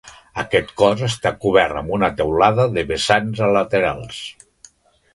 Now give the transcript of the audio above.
Aquest cos està cobert amb una teulada de vessants a laterals.